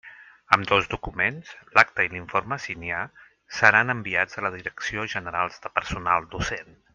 Ambdós documents, l'acta i l'informe si n'hi ha, seran enviats a la Direcció General de Personal Docent.